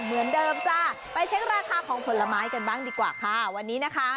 เหมือนเดิมจ้าไปเช็คราคาของผลไม้กันบ้างดีกว่าค่ะวันนี้นะคะ